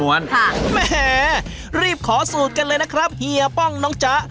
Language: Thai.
แหมรีบขอสูตรกันเลยนะครับเฮียป้องน้องจ๊ะ